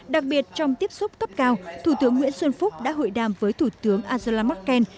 đặc biệt trong tiếp xúc cấp cao thủ tướng nguyễn xuân phúc đã hội đàm với thủ tướng angela merkel